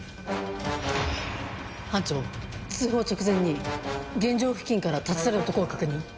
班長通報直前に現場付近から立ち去る男を確認。